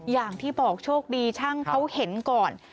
อย่างที่บอกโชคดีช่างเขาเห็นก่อน